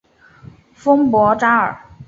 丰博扎尔。